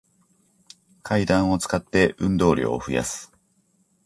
階段を使って、運動量を増やす